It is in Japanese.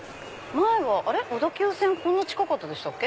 前は小田急線こんな近かったでしたっけ？